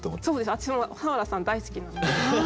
私も俵さん大好きなんで。